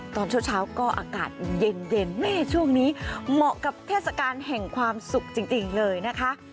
ตอนเช้าก็อากาศเย็นแม่ช่วงนี้เหมาะกับเทศกาลแห่งความสุขจริงเลยนะคะ